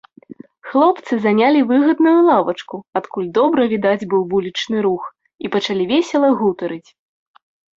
Хлопцы занялі выгадную лавачку, адкуль добра відаць быў вулічны рух, і пачалі весела гутарыць.